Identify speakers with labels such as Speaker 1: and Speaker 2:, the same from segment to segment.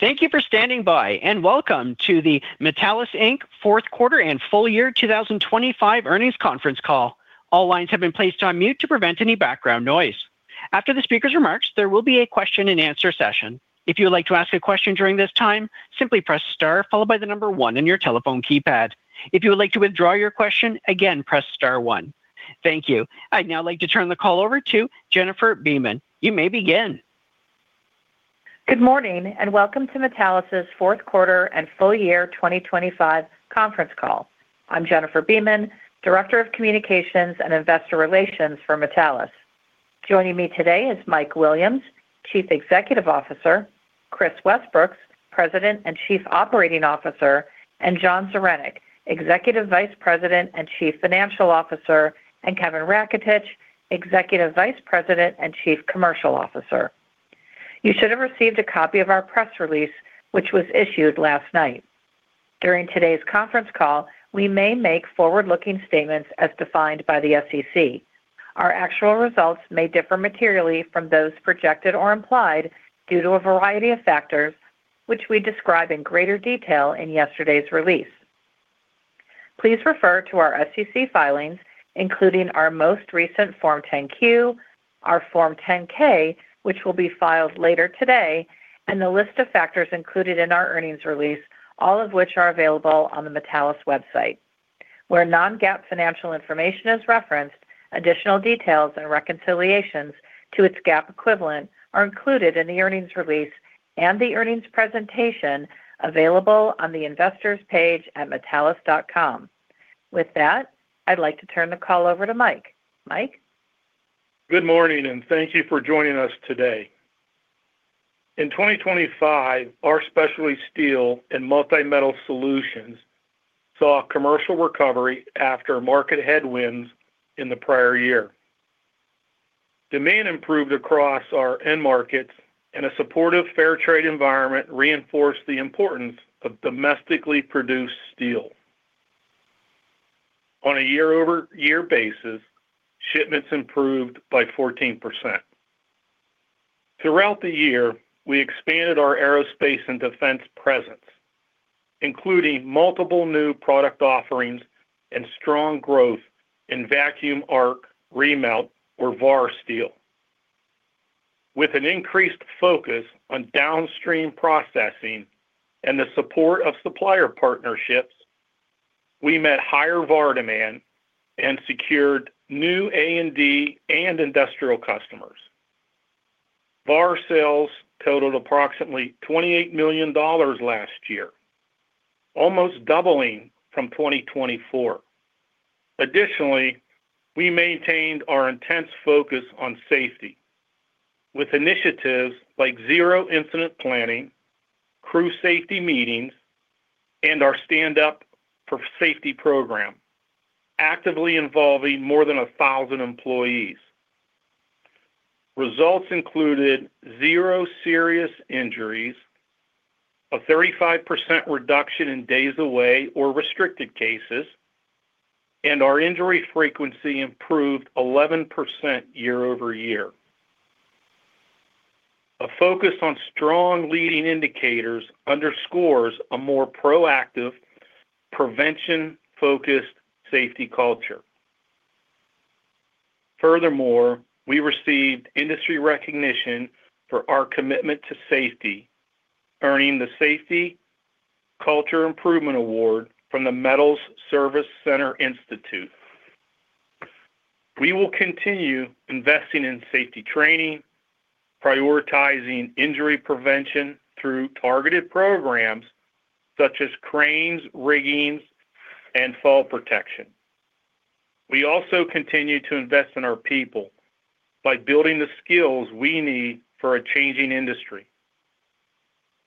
Speaker 1: Thank you for standing by, and welcome to the Metallus Inc. Fourth Quarter and Full Year 2025 Earnings Conference Call. All lines have been placed on mute to prevent any background noise. After the speaker's remarks, there will be a question-and-answer session. If you would like to ask a question during this time, simply press star followed by the number one on your telephone keypad. If you would like to withdraw your question, again, press star one. Thank you. I'd now like to turn the call over to Jennifer Beeman. You may begin.
Speaker 2: Good morning, and welcome to Metallus's Fourth Quarter and Full Year 2025 Conference Call. I'm Jennifer Beeman, Director of Communications and Investor Relations for Metallus. Joining me today is Mike Williams, Chief Executive Officer, Kris Westbrooks, President and Chief Operating Officer, and John Zaranec, Executive Vice President and Chief Financial Officer, and Kevin Raketich, Executive Vice President and Chief Commercial Officer. You should have received a copy of our press release, which was issued last night. During today's conference call, we may make forward-looking statements as defined by the SEC. Our actual results may differ materially from those projected or implied due to a variety of factors, which we describe in greater detail in yesterday's release. Please refer to our SEC filings, including our most recent Form 10-Q, our Form 10-K, which will be filed later today, and the list of factors included in our earnings release, all of which are available on the Metallus website. Where non-GAAP financial information is referenced, additional details and reconciliations to its GAAP equivalent are included in the earnings release and the earnings presentation available on the Investors page at metallus.com. With that, I'd like to turn the call over to Mike. Mike?
Speaker 3: Good morning, and thank you for joining us today. In 2025, our specialty steel and multi-metal solutions saw a commercial recovery after market headwinds in the prior year. Demand improved across our end markets, and a supportive fair-trade environment reinforced the importance of domestically produced steel. On a year-over-year basis, shipments improved by 14%. Throughout the year, we expanded our aerospace and defense presence, including multiple new product offerings and strong growth in Vacuum Arc Remelt or VAR steel. With an increased focus on downstream processing and the support of supplier partnerships, we met higher VAR demand and secured new A&D and industrial customers. VAR sales totaled approximately $28 million last year, almost doubling from 2024. Additionally, we maintained our intense focus on safety with initiatives like zero incident planning, crew safety meetings, and our Stand Up for Safety program, actively involving more than 1,000 employees. Results included zero serious injuries, a 35% reduction in days away or restricted cases, and our injury frequency improved 11% year-over-year. A focus on strong leading indicators underscores a more proactive, prevention-focused safety culture. Furthermore, we received industry recognition for our commitment to safety, earning the Safety Culture Improvement Award from the Metals Service Center Institute. We will continue investing in safety training, prioritizing injury prevention through targeted programs such as cranes, riggings, and fall protection. We also continue to invest in our people by building the skills we need for a changing industry.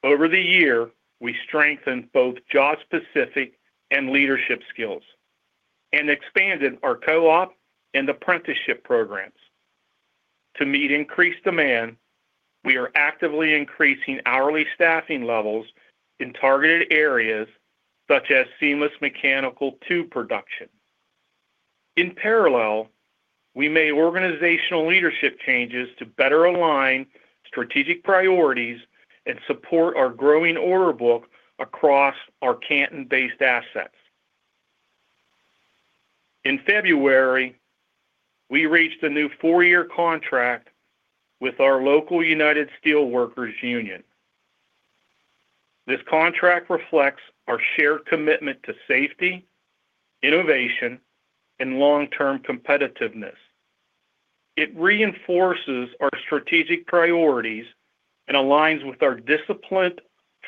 Speaker 3: Over the year, we strengthened both job-specific and leadership skills and expanded our co-op and apprenticeship programs. To meet increased demand, we are actively increasing hourly staffing levels in targeted areas such as seamless mechanical tube production. In parallel, we made organizational leadership changes to better align strategic priorities and support our growing order book across our Canton-based assets. In February, we reached a new four-year contract with our local United Steelworkers union. This contract reflects our shared commitment to safety, innovation, and long-term competitiveness. It reinforces our strategic priorities and aligns with our disciplined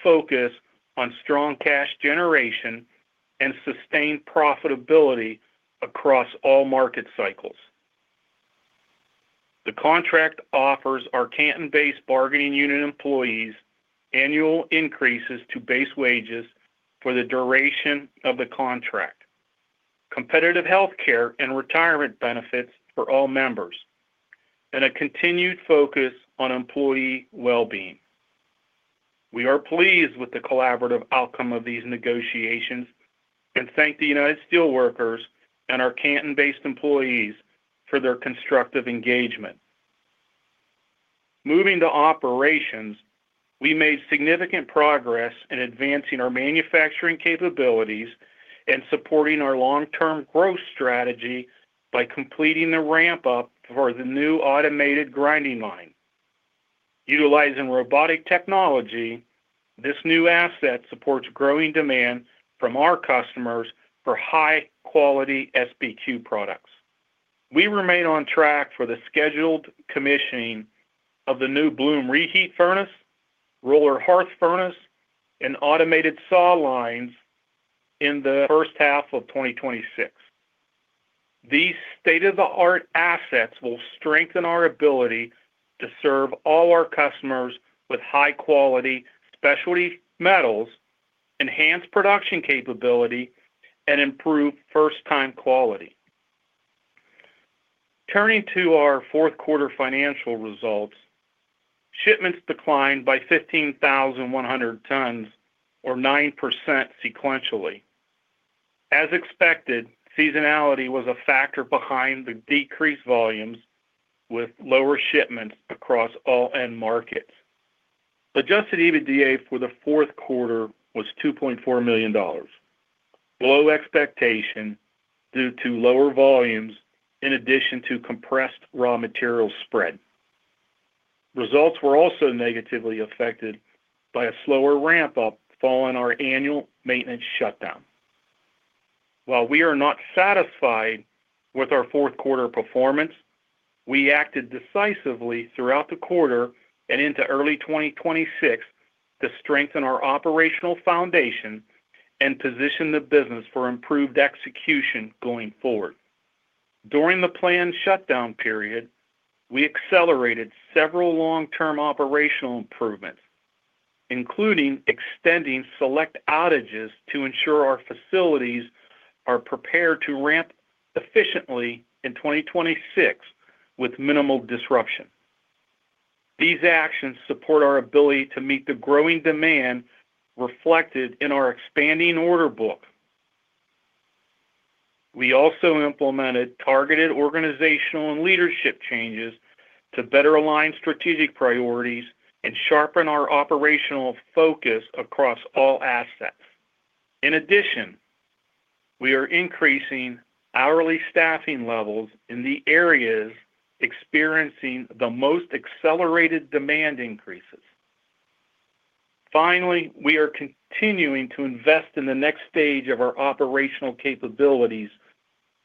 Speaker 3: focus on strong cash generation and sustained profitability across all market cycles. The contract offers our Canton-based bargaining unit employees annual increases to base wages for the duration of the contract, competitive healthcare and retirement benefits for all members, and a continued focus on employee well-being. We are pleased with the collaborative outcome of these negotiations and thank the United Steelworkers and our Canton-based employees for their constructive engagement. Moving to operations, we made significant progress in advancing our manufacturing capabilities and supporting our long-term growth strategy by completing the ramp-up for the new automated grinding line. Utilizing robotic technology, this new asset supports growing demand from our customers for high-quality SBQ products. We remain on track for the scheduled commissioning of the new bloom reheat furnace, roller hearth furnace, and automated saw lines in the first half of 2026. These state-of-the-art assets will strengthen our ability to serve all our customers with high-quality specialty metals, enhance production capability, and improve first-time quality. Turning to our fourth quarter financial results, shipments declined by 15,100 tons or 9% sequentially. As expected, seasonality was a factor behind the decreased volumes with lower shipments across all end markets. Adjusted EBITDA for the fourth quarter was $2.4 million, below expectation due to lower volumes in addition to compressed raw material spread. Results were also negatively affected by a slower ramp-up following our annual maintenance shutdown. While we are not satisfied with our fourth quarter performance, we acted decisively throughout the quarter and into early 2026 to strengthen our operational foundation and position the business for improved execution going forward. During the planned shutdown period, we accelerated several long-term operational improvements, including extending select outages to ensure our facilities are prepared to ramp efficiently in 2026 with minimal disruption. These actions support our ability to meet the growing demand reflected in our expanding order book. We also implemented targeted organizational and leadership changes to better align strategic priorities and sharpen our operational focus across all assets. In addition, we are increasing hourly staffing levels in the areas experiencing the most accelerated demand increases. Finally, we are continuing to invest in the next stage of our operational capabilities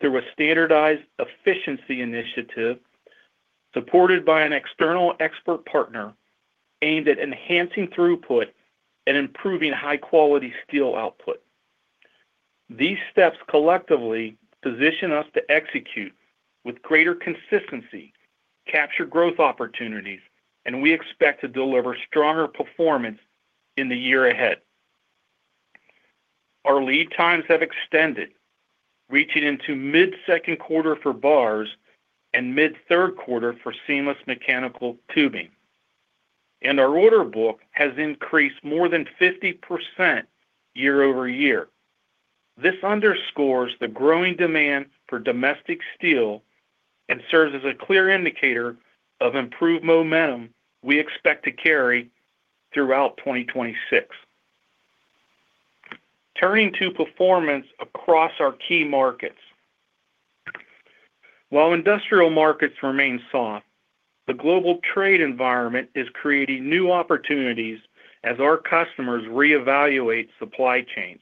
Speaker 3: through a standardized efficiency initiative, supported by an external expert partner, aimed at enhancing throughput and improving high-quality steel output. These steps collectively position us to execute with greater consistency, capture growth opportunities, and we expect to deliver stronger performance in the year ahead. Our lead times have extended, reaching into mid-second quarter for bars and mid-third quarter for seamless mechanical tubing, and our order book has increased more than 50% year-over-year. This underscores the growing demand for domestic steel and serves as a clear indicator of improved momentum we expect to carry throughout 2026. Turning to performance across our key markets. While industrial markets remain soft, the global trade environment is creating new opportunities as our customers reevaluate supply chains.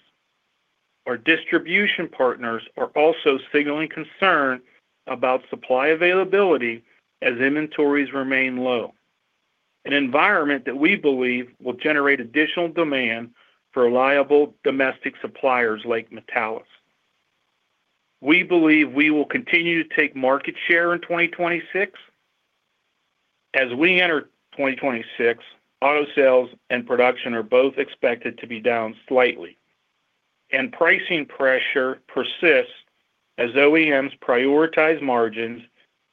Speaker 3: Our distribution partners are also signaling concern about supply availability as inventories remain low, an environment that we believe will generate additional demand for reliable domestic suppliers like Metallus. We believe we will continue to take market share in 2026. As we enter 2026, auto sales and production are both expected to be down slightly, and pricing pressure persists as OEMs prioritize margins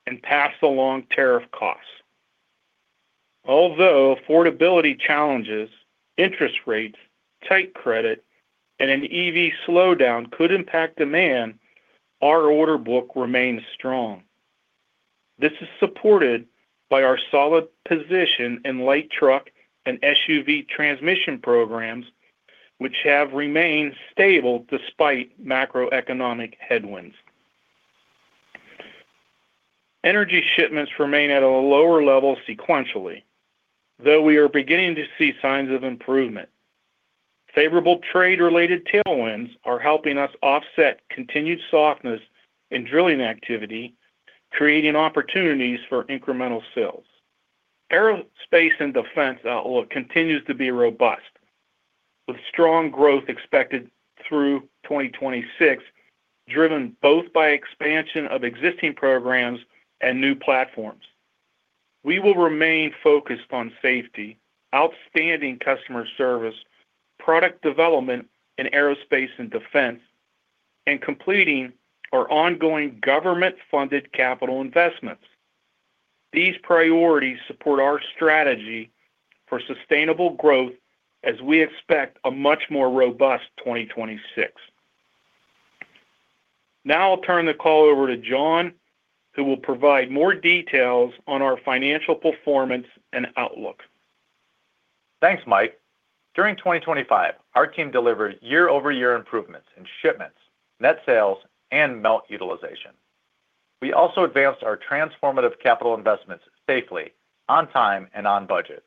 Speaker 3: and pass along tariff costs. Although affordability challenges, interest rates, tight credit, and an EV slowdown could impact demand, our order book remains strong. This is supported by our solid position in light truck and SUV transmission programs, which have remained stable despite macroeconomic headwinds. Energy shipments remain at a lower level sequentially, though we are beginning to see signs of improvement. Favorable trade-related tailwinds are helping us offset continued softness in drilling activity, creating opportunities for incremental sales. Aerospace and defense outlook continues to be robust, with strong growth expected through 2026, driven both by expansion of existing programs and new platforms. We will remain focused on safety, outstanding customer service, product development in aerospace and defense, and completing our ongoing government-funded capital investments. These priorities support our strategy for sustainable growth as we expect a much more robust 2026. Now I'll turn the call over to John, who will provide more details on our financial performance and outlook.
Speaker 4: Thanks, Mike. During 2025, our team delivered year-over-year improvements in shipments, net sales, and Melt Utilization. We also advanced our transformative capital investments safely, on time, and on budget,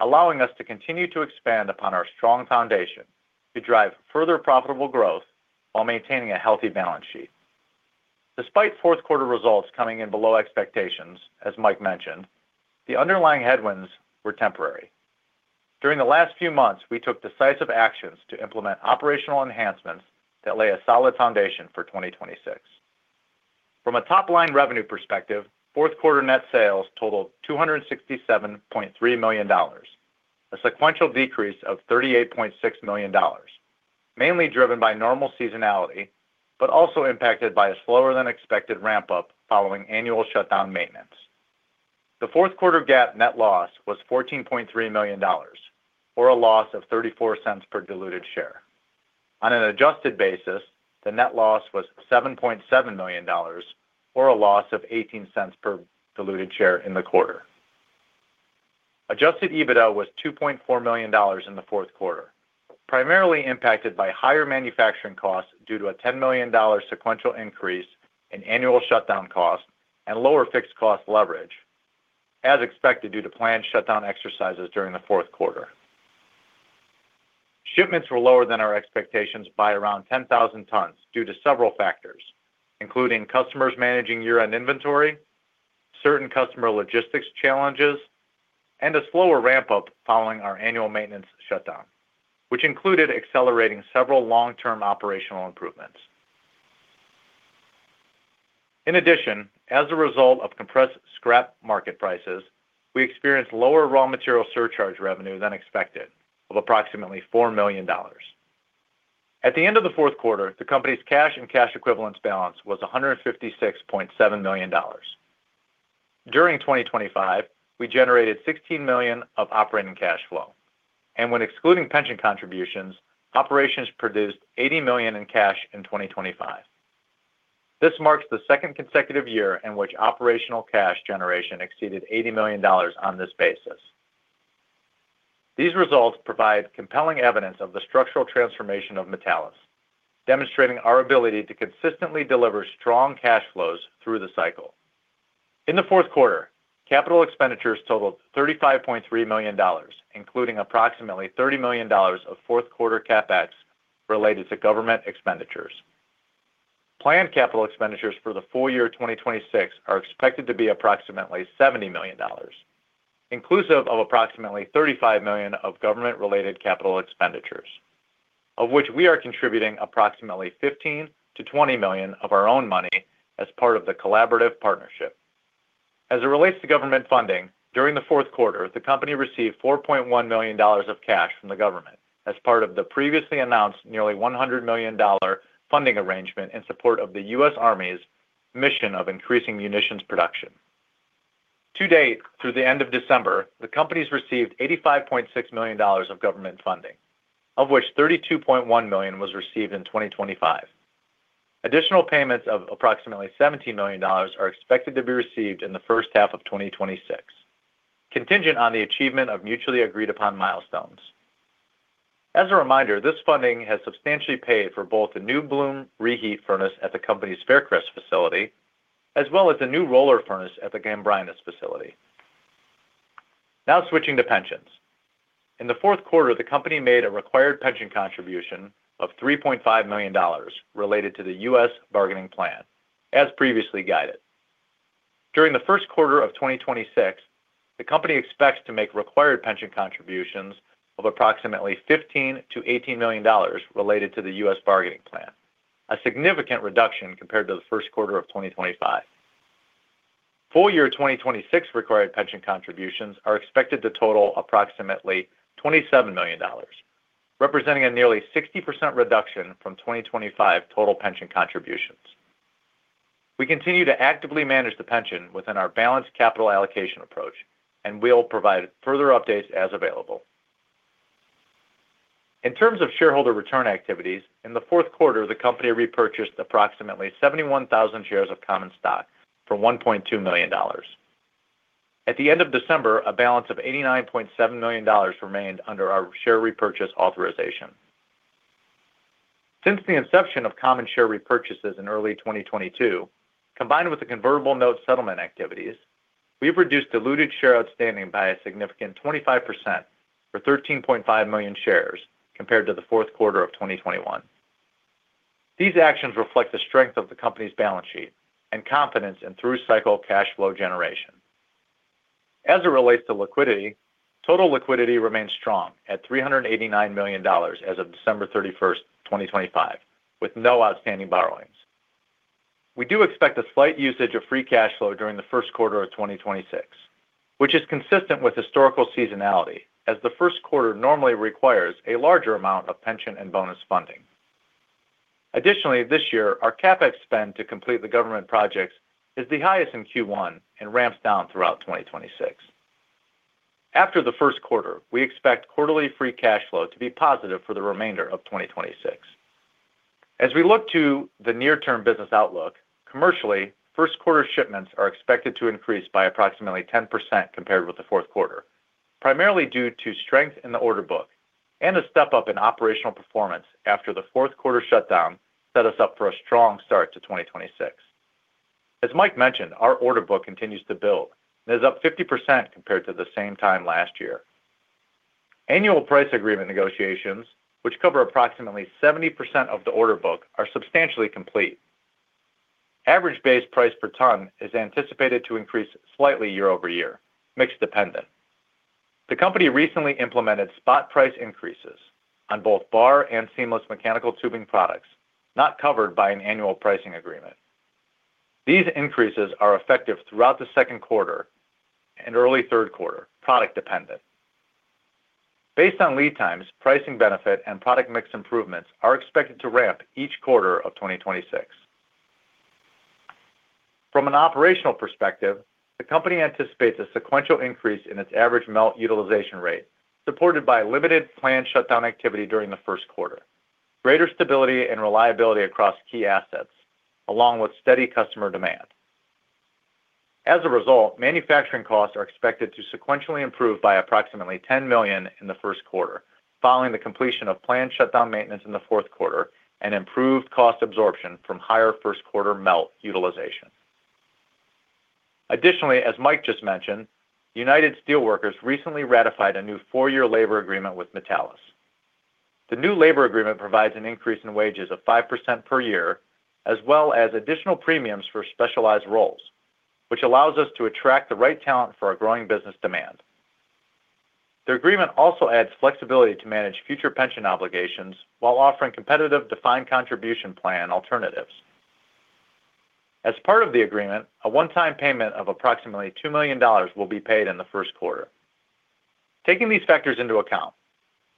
Speaker 4: allowing us to continue to expand upon our strong foundation to drive further profitable growth while maintaining a healthy balance sheet. Despite fourth quarter results coming in below expectations, as Mike mentioned, the underlying headwinds were temporary. During the last few months, we took decisive actions to implement operational enhancements that lay a solid foundation for 2026. From a top-line revenue perspective, fourth quarter net sales totaled $267.3 million, a sequential decrease of $38.6 million, mainly driven by normal seasonality, but also impacted by a slower than expected ramp-up following annual shutdown maintenance. The fourth quarter GAAP net loss was $14.3 million or a loss of $0.34 per diluted share. On an adjusted basis, the net loss was $7.7 million or a loss of $0.18 per diluted share in the quarter. Adjusted EBITDA was $2.4 million in the fourth quarter, primarily impacted by higher manufacturing costs due to a $10 million sequential increase in annual shutdown costs and lower fixed cost leverage, as expected, due to planned shutdown exercises during the fourth quarter. Shipments were lower than our expectations by around 10,000 tons due to several factors, including customers managing year-end inventory, certain customer logistics challenges, and a slower ramp-up following our annual maintenance shutdown, which included accelerating several long-term operational improvements. In addition, as a result of compressed scrap market prices, we experienced lower raw material surcharge revenue than expected of approximately $4 million. At the end of the fourth quarter, the company's cash and cash equivalents balance was $156.7 million. During 2025, we generated $16 million of operating cash flow, and when excluding pension contributions, operations produced $80 million in cash in 2025. This marks the second consecutive year in which operational cash generation exceeded $80 million on this basis. These results provide compelling evidence of the structural transformation of Metallus, demonstrating our ability to consistently deliver strong cash flows through the cycle. In the fourth quarter, capital expenditures totaled $35.3 million, including approximately $30 million of fourth quarter CapEx related to government expenditures. Planned capital expenditures for the full year 2026 are expected to be approximately $70 million, inclusive of approximately $35 million of government-related capital expenditures, of which we are contributing approximately $15 million-$20 million of our own money as part of the collaborative partnership. As it relates to government funding, during the fourth quarter, the company received $4.1 million of cash from the government as part of the previously announced nearly $100 million dollar funding arrangement in support of the U.S. Army's mission of increasing munitions production. To date, through the end of December, the company's received $85.6 million of government funding, of which $32.1 million was received in 2025. Additional payments of approximately $17 million are expected to be received in the first half of 2026, contingent on the achievement of mutually agreed upon milestones. As a reminder, this funding has substantially paid for both the new bloom reheat furnace at the company's Faircrest facility, as well as the new roller furnace at the Gambrinus facility. Now, switching to pensions. In the fourth quarter, the company made a required pension contribution of $3.5 million related to the U.S. bargaining plan, as previously guided. During the first quarter of 2026, the company expects to make required pension contributions of approximately $15 million-$18 million related to the U.S. bargaining plan, a significant reduction compared to the first quarter of 2025. Full year 2026 required pension contributions are expected to total approximately $27 million, representing a nearly 60% reduction from 2025 total pension contributions. We continue to actively manage the pension within our balanced capital allocation approach and will provide further updates as available. In terms of shareholder return activities, in the fourth quarter, the company repurchased approximately 71,000 shares of common stock for $1.2 million. At the end of December, a balance of $89.7 million remained under our share repurchase authorization. Since the inception of common share repurchases in early 2022, combined with the convertible note settlement activities, we've reduced diluted share outstanding by a significant 25% or 13.5 million shares compared to the fourth quarter of 2021. These actions reflect the strength of the company's balance sheet and confidence in through-cycle cash flow generation. As it relates to liquidity, total liquidity remains strong at $389 million as of December 31st, 2025, with no outstanding borrowings. We do expect a slight usage of free cash flow during the first quarter of 2026, which is consistent with historical seasonality, as the first quarter normally requires a larger amount of pension and bonus funding. Additionally, this year, our CapEx spend to complete the government projects is the highest in Q1 and ramps down throughout 2026. After the first quarter, we expect quarterly free cash flow to be positive for the remainder of 2026. As we look to the near-term business outlook, commercially, first quarter shipments are expected to increase by approximately 10% compared with the fourth quarter, primarily due to strength in the order book and a step-up in operational performance after the fourth quarter shutdown set us up for a strong start to 2026. As Mike mentioned, our order book continues to build, and is up 50% compared to the same time last year. Annual price agreement negotiations, which cover approximately 70% of the order book, are substantially complete. Average base price per ton is anticipated to increase slightly year-over-year, mix dependent. The company recently implemented spot price increases on both bar and seamless mechanical tubing products, not covered by an annual pricing agreement. These increases are effective throughout the second quarter and early third quarter, product dependent. Based on lead times, pricing benefit and product mix improvements are expected to ramp each quarter of 2026. From an operational perspective, the company anticipates a sequential increase in its average melt utilization rate, supported by limited planned shutdown activity during the first quarter, greater stability and reliability across key assets, along with steady customer demand. As a result, manufacturing costs are expected to sequentially improve by approximately $10 million in the first quarter, following the completion of planned shutdown maintenance in the fourth quarter and improved cost absorption from higher first quarter melt utilization. Additionally, as Mike just mentioned, United Steelworkers recently ratified a new four-year labor agreement with Metallus. The new labor agreement provides an increase in wages of 5% per year, as well as additional premiums for specialized roles, which allows us to attract the right talent for our growing business demand. The agreement also adds flexibility to manage future pension obligations while offering competitive defined contribution plan alternatives. As part of the agreement, a one-time payment of approximately $2 million will be paid in the first quarter. Taking these factors into account,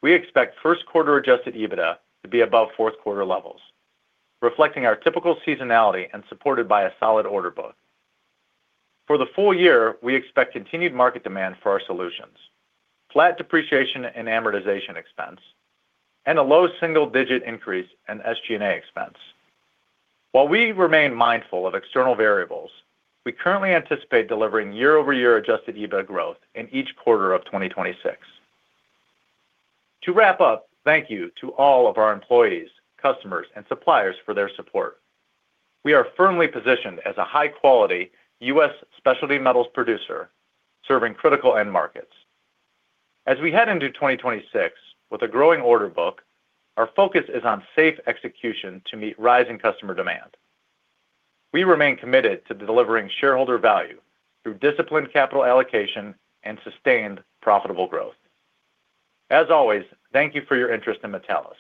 Speaker 4: we expect first quarter Adjusted EBITDA to be above fourth quarter levels, reflecting our typical seasonality and supported by a solid order book. For the full year, we expect continued market demand for our solutions, flat depreciation and amortization expense, and a low single-digit increase in SG&A expense. While we remain mindful of external variables, we currently anticipate delivering year-over-year Adjusted EBITDA growth in each quarter of 2026. To wrap up, thank you to all of our employees, customers, and suppliers for their support. We are firmly positioned as a high-quality U.S. specialty metals producer, serving critical end markets. As we head into 2026 with a growing order book, our focus is on safe execution to meet rising customer demand. We remain committed to delivering shareholder value through disciplined capital allocation and sustained profitable growth. As always, thank you for your interest in Metallus.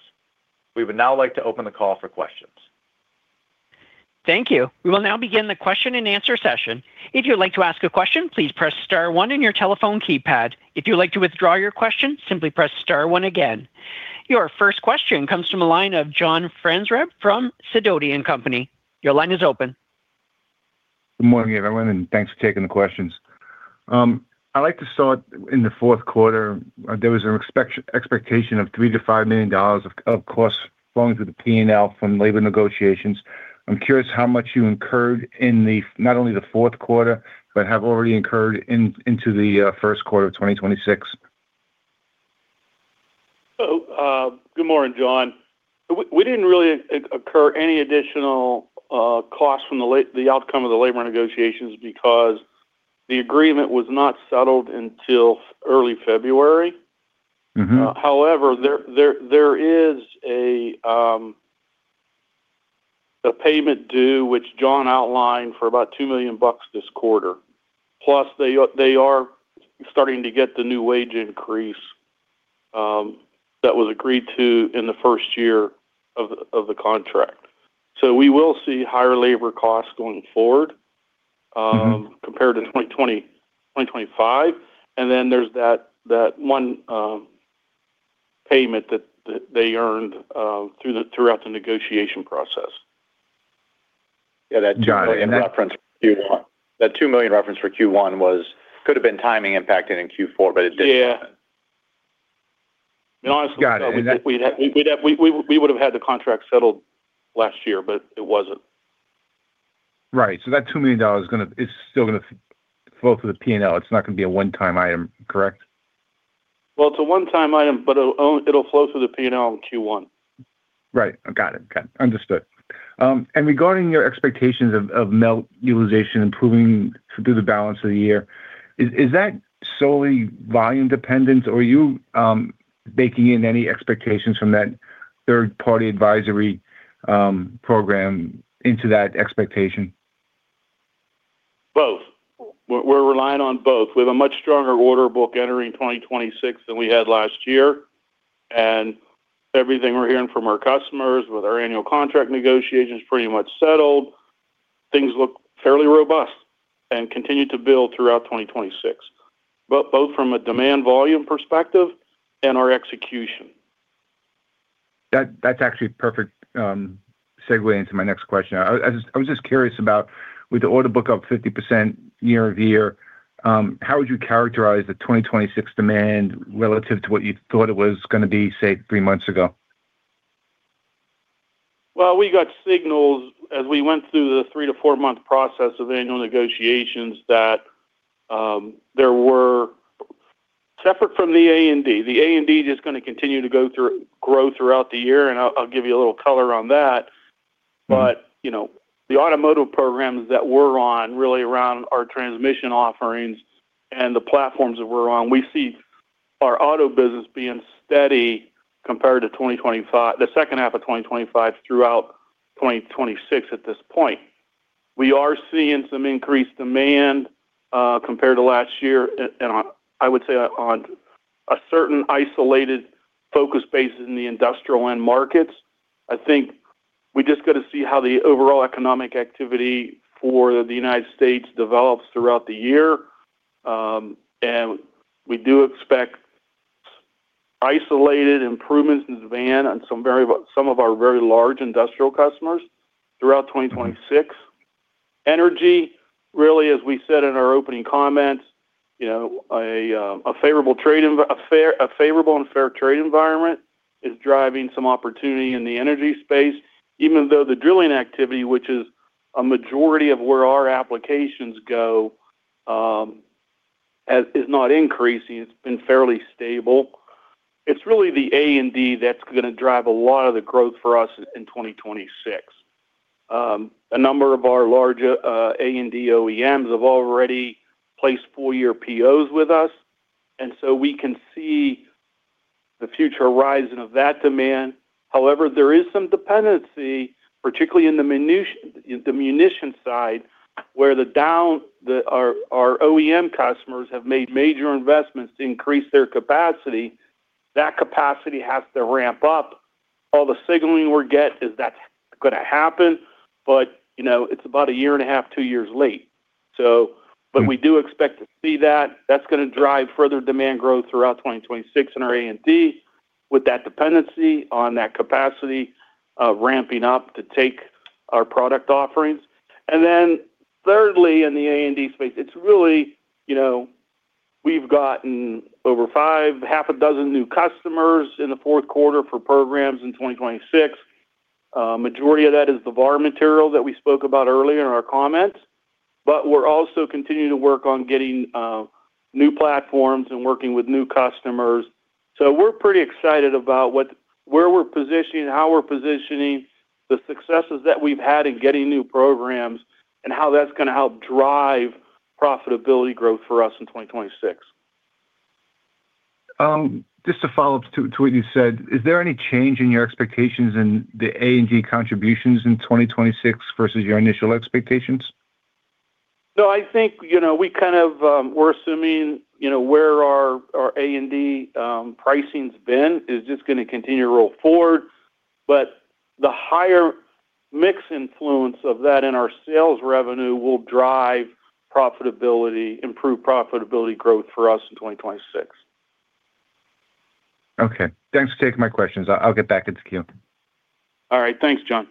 Speaker 4: We would now like to open the call for questions.
Speaker 1: Thank you. We will now begin the question-and-answer session. If you'd like to ask a question, please press star one on your telephone keypad. If you'd like to withdraw your question, simply press star one again. Your first question comes from the line of John Franzreb from Sidoti & Company. Your line is open.
Speaker 5: Good morning, everyone, and thanks for taking the questions. I'd like to start in the fourth quarter. There was an expectation of $3 million-$5 million of course flowing through the P&L from labor negotiations. I'm curious how much you incurred in not only the fourth quarter, but have already incurred into the first quarter of 2026.
Speaker 3: So, good morning, John. We didn't really occur any additional costs from the outcome of the labor negotiations because the agreement was not settled until early February.
Speaker 5: Mm-hmm.
Speaker 3: However, there is a payment due, which John outlined, for about $2 million this quarter. Plus, they are starting to get the new wage increase, that was agreed to in the first year of the contract. So we will see higher labor costs going forward, compared to 2020, 2025. And then there's that one payment that they earned throughout the negotiation process.
Speaker 4: Yeah, that $2 million reference for Q1. That $2 million reference for Q1 could have been timing impacted in Q4, but it didn't.
Speaker 3: Yeah. And honestly, we'd have had the contract settled last year, but it wasn't.
Speaker 5: Right. So that $2 million is gonna, is still gonna flow through the P&L. It's not gonna be a one-time item, correct?
Speaker 3: Well, it's a one-time item, but it'll flow through the P&L in Q1.
Speaker 5: Right. Got it. Got it. Understood. And regarding your expectations of Melt Utilization improving through the balance of the year, is that solely volume dependent, or are you baking in any expectations from that third-party advisory program into that expectation?
Speaker 3: Both. We're, we're relying on both. We have a much stronger order book entering 2026 than we had last year, and everything we're hearing from our customers, with our annual contract negotiations pretty much settled, things look fairly robust and continue to build throughout 2026, both, both from a demand volume perspective and our execution.
Speaker 5: That, that's actually a perfect segue into my next question. I, I just—I was just curious about, with the order book up 50% year-over-year, how would you characterize the 2026 demand relative to what you thought it was gonna be, say, three months ago?
Speaker 3: Well, we got signals as we went through the 3- to 4-month process of annual negotiations that there were separate from the A&D. The A&D is gonna continue to go through growth throughout the year, and I'll give you a little color on that.
Speaker 5: Mm-hmm.
Speaker 3: But, you know, the automotive programs that we're on, really around our transmission offerings and the platforms that we're on, we see our auto business being steady compared to 2025, the second half of 2025 throughout 2026 at this point. We are seeing some increased demand compared to last year, and on, I would say, on a certain isolated focus basis in the industrial end markets. I think we just got to see how the overall economic activity for the United States develops throughout the year. And we do expect isolated improvements in demand on some very, some of our very large industrial customers throughout 2026. Energy, really, as we said in our opening comments, you know, a favorable and fair trade environment is driving some opportunity in the energy space, even though the drilling activity, which is a majority of where our applications go, is not increasing, it's been fairly stable. It's really the A&D that's gonna drive a lot of the growth for us in 2026. A number of our larger, A&D OEMs have already placed full-year POs with us, and so we can see the future horizon of that demand. However, there is some dependency, particularly in the munitions side, where our OEM customers have made major investments to increase their capacity. That capacity has to ramp up. All the signaling we're getting is that's gonna happen, but, you know, it's about a year and a half, two years late. So but we do expect to see that. That's gonna drive further demand growth throughout 2026 in our A&D, with that dependency on that capacity ramping up to take our product offerings. And then thirdly, in the A&D space, it's really, you know, we've gotten over five, half a dozen new customers in the fourth quarter for programs in 2026. Majority of that is the VAR material that we spoke about earlier in our comments, but we're also continuing to work on getting new platforms and working with new customers. So we're pretty excited about what where we're positioning, how we're positioning, the successes that we've had in getting new programs, and how that's gonna help drive profitability growth for us in 2026.
Speaker 5: Just to follow up to what you said, is there any change in your expectations in the A&D contributions in 2026 versus your initial expectations?
Speaker 3: So I think, you know, we kind of, we're assuming, you know, where our, our A&D, pricing's been, is just gonna continue to roll forward. But the higher mix influence of that in our sales revenue will drive profitability, improve profitability growth for us in 2026.
Speaker 5: Okay. Thanks for taking my questions. I'll get back into queue.
Speaker 3: All right. Thanks, John.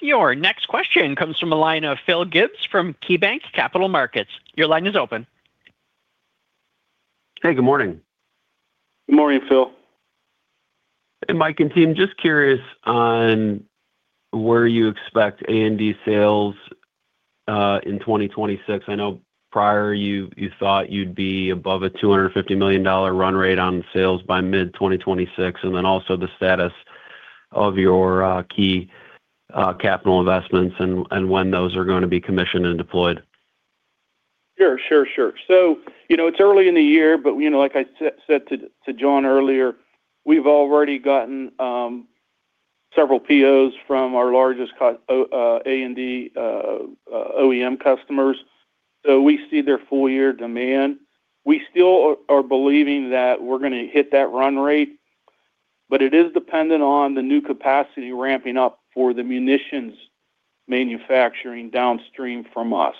Speaker 1: Your next question comes from the line of Phil Gibbs from KeyBanc Capital Markets. Your line is open.
Speaker 6: Hey, good morning.
Speaker 3: Good morning, Phil.
Speaker 6: Hey, Mike and team, just curious on where you expect A&D sales in 2026. I know prior, you thought you'd be above a $250 million run rate on sales by mid-2026, and then also the status of your key capital investments and when those are gonna be commissioned and deployed.
Speaker 3: Sure, sure, sure. So, you know, it's early in the year, but, you know, like I said to John earlier, we've already gotten several POs from our largest A&D OEM customers. So we see their full-year demand. We still are believing that we're gonna hit that run rate, but it is dependent on the new capacity ramping up for the munitions manufacturing downstream from us.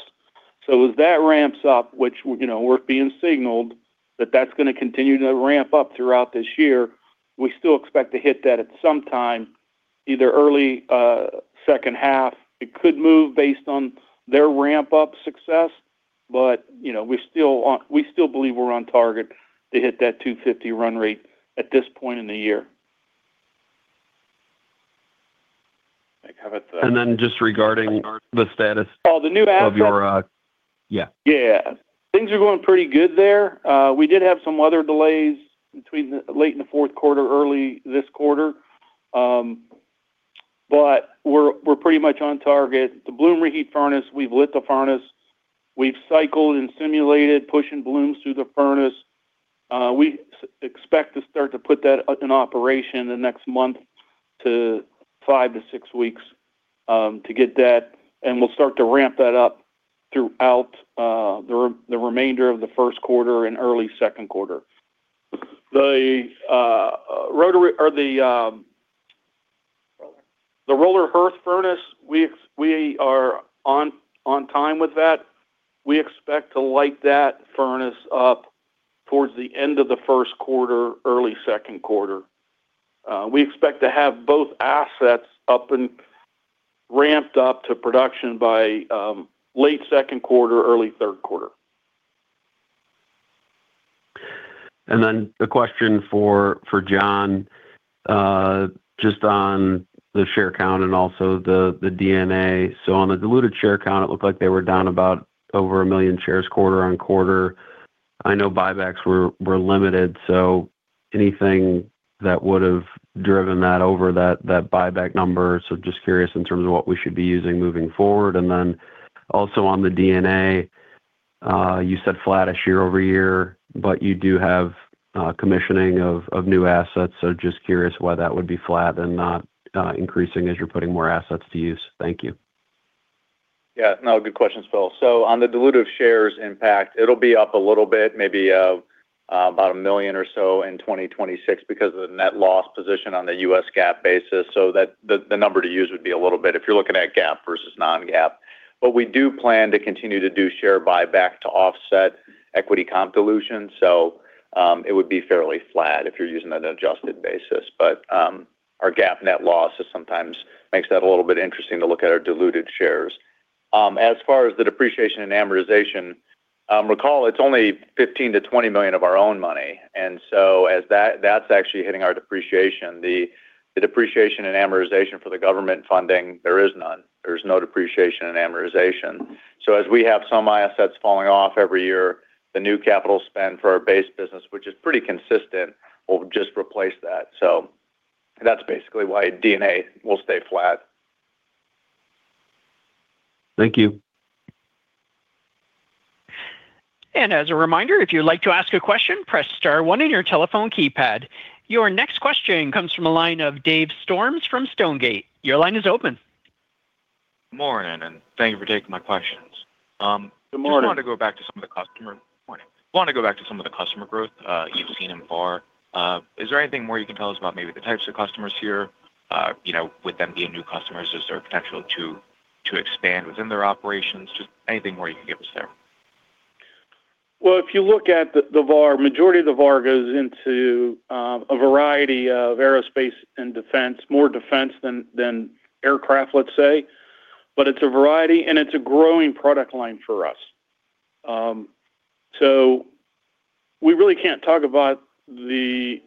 Speaker 3: So as that ramps up, which, you know, we're being signaled that that's gonna continue to ramp up throughout this year, we still expect to hit that at some time, either early second half. It could move based on their ramp-up success, but, you know, we still believe we're on target to hit that $250 run rate at this point in the year.
Speaker 6: Then just regarding the status-
Speaker 3: Oh, the new asset?
Speaker 6: -of your... Yeah.
Speaker 3: Yeah. Things are going pretty good there. We did have some weather delays between the late in the fourth quarter, early this quarter. But we're pretty much on target. The bloom reheat furnace, we've lit the furnace. We've cycled and simulated, pushing blooms through the furnace. We expect to start to put that up in operation in the next month to 5-6 weeks, to get that, and we'll start to ramp that up throughout the remainder of the first quarter and early second quarter. The rotary or the roller hearth furnace, we are on time with that. We expect to light that furnace up towards the end of the first quarter, early second quarter. We expect to have both assets up and ramped up to production by late second quarter, early third quarter.
Speaker 6: And then the question for John, just on the share count and also the D&A. So on the diluted share count, it looked like they were down about over 1 million shares quarter-over-quarter. I know buybacks were limited, so anything that would have driven that over that buyback number? So just curious in terms of what we should be using moving forward. And then also on the D&A, you said flattish year-over-year, but you do have commissioning of new assets. So just curious why that would be flat and not increasing as you're putting more assets to use. Thank you.
Speaker 4: Yeah. No, good questions, Phil. So on the dilutive shares impact, it'll be up a little bit, maybe, about 1 million or so in 2026 because of the net loss position on the U.S. GAAP basis. So that the number to use would be a little bit if you're looking at GAAP versus non-GAAP. But we do plan to continue to do share buyback to offset equity comp dilution. So, it would be fairly flat if you're using an adjusted basis. But, our GAAP net loss is sometimes makes that a little bit interesting to look at our diluted shares. As far as the depreciation and amortization, recall, it's only $15 million-$20 million of our own money, and so as that's actually hitting our depreciation. The depreciation and amortization for the government funding, there is none. There's no depreciation and amortization. So as we have some assets falling off every year, the new capital spend for our base business, which is pretty consistent, will just replace that. So that's basically why D&A will stay flat.
Speaker 6: Thank you.
Speaker 1: As a reminder, if you'd like to ask a question, press star one on your telephone keypad. Your next question comes from the line of Dave Storms from Stonegate. Your line is open.
Speaker 7: Morning, and thank you for taking my questions.
Speaker 3: Good morning.
Speaker 7: Morning. I want to go back to some of the customer growth you've seen in VAR. Is there anything more you can tell us about maybe the types of customers here? You know, with them being new customers, is there potential to expand within their operations? Just anything more you can give us there.
Speaker 3: Well, if you look at the VAR, majority of the VAR goes into a variety of aerospace and defense. More defense than aircraft, let's say. But it's a variety, and it's a growing product line for us. So we really can't talk about the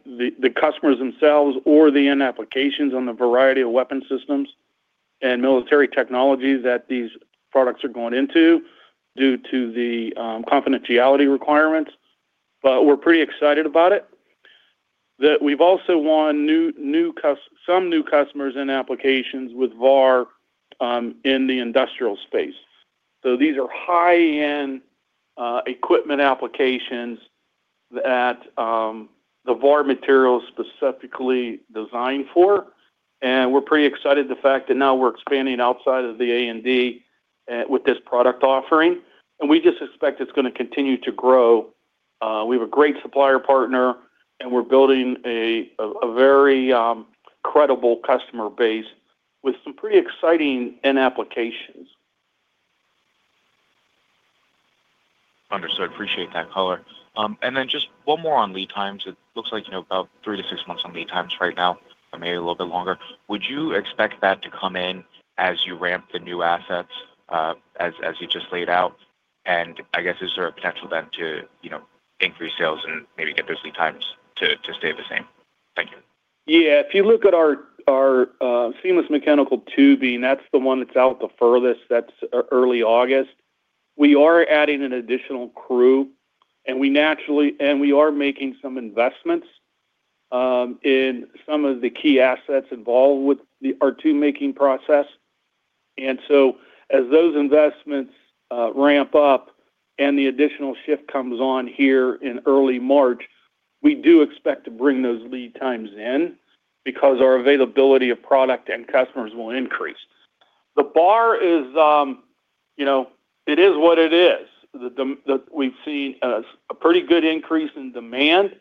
Speaker 3: customers themselves or the end applications on the variety of weapon systems and military technologies that these products are going into due to the confidentiality requirements, but we're pretty excited about it. That we've also won some new customers and applications with VAR in the industrial space. So these are high-end equipment applications that the VAR material is specifically designed for, and we're pretty excited the fact that now we're expanding outside of the A&D with this product offering, and we just expect it's gonna continue to grow. We have a great supplier partner, and we're building a very credible customer base with some pretty exciting end applications.
Speaker 7: Understood. Appreciate that color. And then just one more on lead times. It looks like, you know, about 3-6 months on lead times right now, or maybe a little bit longer. Would you expect that to come in as you ramp the new assets, as, as you just laid out? And I guess, is there a potential then to, you know, increase sales and maybe get those lead times to, to stay the same? Thank you.
Speaker 3: Yeah. If you look at our seamless mechanical tubing, that's the one that's out the furthest, that's early August. We are adding an additional crew, and we are making some investments in some of the key assets involved with the R2 making process. And so as those investments ramp up and the additional shift comes on here in early March, we do expect to bring those lead times in because our availability of product and customers will increase. The bar is, you know, it is what it is. We've seen a pretty good increase in demand,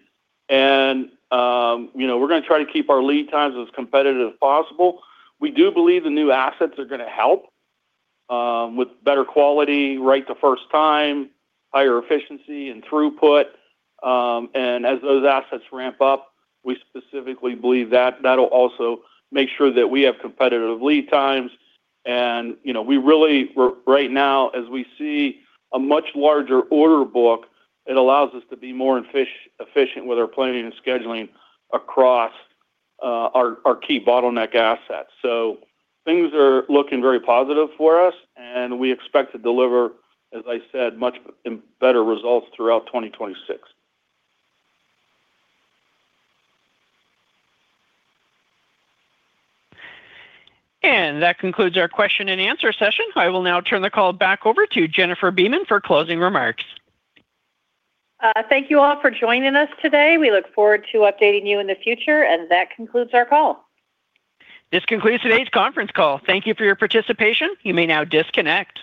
Speaker 3: and, you know, we're gonna try to keep our lead times as competitive as possible. We do believe the new assets are gonna help with better quality, right the first time, higher efficiency, and throughput. And as those assets ramp up, we specifically believe that that'll also make sure that we have competitive lead times. And, you know, we really right now, as we see a much larger order book, it allows us to be more efficient with our planning and scheduling across our key bottleneck assets. So things are looking very positive for us, and we expect to deliver, as I said, much better results throughout 2026.
Speaker 1: That concludes our question and answer session. I will now turn the call back over to Jennifer Beeman for closing remarks.
Speaker 2: Thank you all for joining us today. We look forward to updating you in the future, and that concludes our call.
Speaker 1: This concludes today's conference call. Thank you for your participation. You may now disconnect.